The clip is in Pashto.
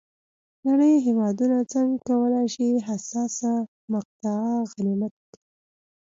نړۍ هېوادونه څنګه کولای شي حساسه مقطعه غنیمت وګڼي.